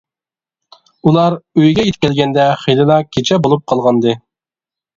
ئۇلار ئۆيىگە يېتىپ كەلگەندە خېلىلا كېچە بولۇپ قالغانىدى.